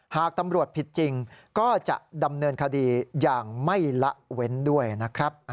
หากตำรวจผิดจริงก็จะดำเนินคดีอย่างไม่ละเว้นด้วยนะครับ